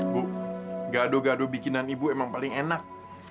bu gaduh gaduh bikinan ibu emang paling enak